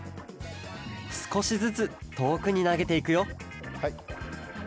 すこしずつとおくになげていくよはい。